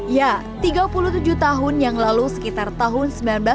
ya tiga puluh tujuh tahun yang lalu sekitar tahun seribu sembilan ratus sembilan puluh